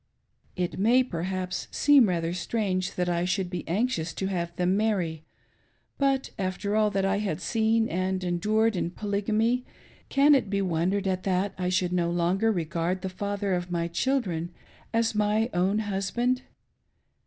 It may, perhaps, seem rather strange that I should be anxious to have them marry; but, after all that I had seen and endured in Polygamy, can it be wondered at that I should no longer regard the father of my children as my own husband